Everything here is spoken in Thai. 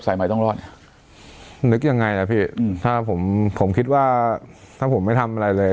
ใหม่ต้องรอดนึกยังไงนะพี่อืมถ้าผมผมคิดว่าถ้าผมไม่ทำอะไรเลย